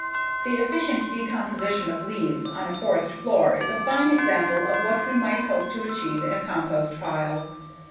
The efficient decomposition of leaves on a forest floor is a fine example of what we might hope to achieve in a compost pile.